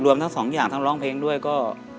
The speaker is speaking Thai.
ทั้งสองอย่างทั้งร้องเพลงด้วยก็